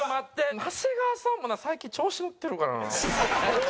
長谷川さんもな最近調子のってるからな。